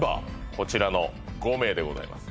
こちらの５名でございます